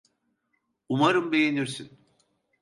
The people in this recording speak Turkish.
Umarım beğenirsin.